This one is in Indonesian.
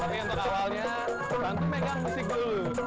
tapi yang terawalnya bantu megang musik dulu